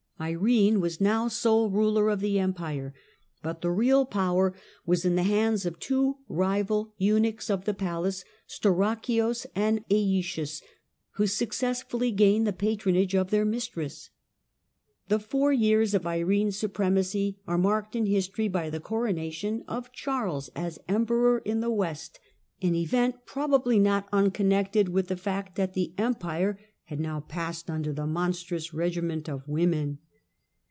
Irene was now sole ruler of the Empire, but the real power was in the hands of two rival eunuchs of the palace, Stauracius and iEtius, who successively gained the patronage of their mistress. The four years of Irene's supremacy are marked in history by the corona tion of Charles as Emperor in the West, an event prob ably not unconnected with the fact that the Empire had now passed under the " monstrous regiment of women